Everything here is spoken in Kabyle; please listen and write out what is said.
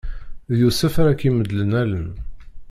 D Yusef ara k-imedlen allen.